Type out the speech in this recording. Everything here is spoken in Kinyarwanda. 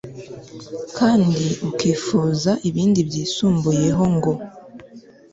kandi ukifuza ibindi byisumbuyeho ngo